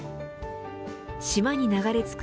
島に流れ着く